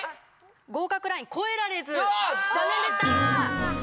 合格ライン超えられず残念でした！